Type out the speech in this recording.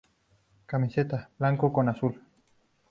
Camiseta:Blanco con Azul.